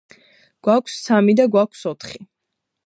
გვაქვს სამი და გვაქვს ოთხი.